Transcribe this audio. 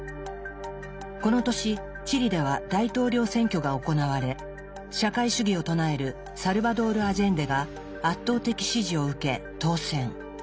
この年チリでは大統領選挙が行われ社会主義を唱えるサルバドール・アジェンデが圧倒的支持を受け当選。